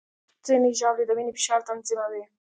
ځینې ژاولې د وینې فشار تنظیموي.